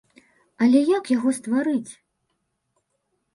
Але як яго стварыць?